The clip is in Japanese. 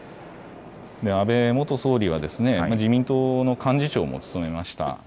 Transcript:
安倍元総理は自民党の幹事長も務めました。